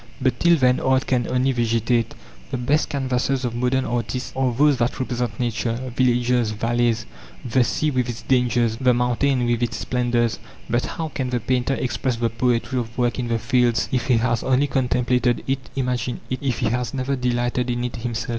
But till then art can only vegetate. The best canvases of modern artists are those that represent nature, villages, valleys, the sea with its dangers, the mountain with its splendours. But how can the painter express the poetry of work in the fields if he has only contemplated it, imagined it, if he has never delighted in it himself?